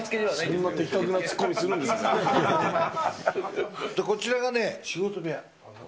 そんな的確なツッコミするんこちらがね、仕事部屋。